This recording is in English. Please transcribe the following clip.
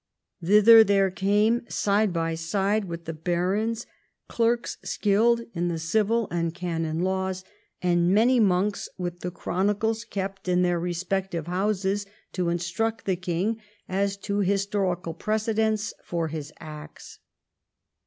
Thither there came, side by side with the barons, clerks skilled in the Civil and Canon LaAvs, and many monks, with the chronicles kept in their respective X THE SCOTTISH OVERLORDSHIP 173 houses, to instruct the king as to historical precedents for his acts.